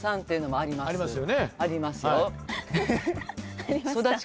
ありますよ。